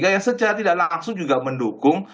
yang secara tidak langsung juga mendukung